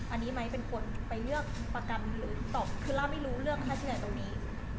อันนี้ไม้เป็นคนไปเลือกประกันคือซาร่าไม่รู้เลือกค่าที่ไหนตรงนี้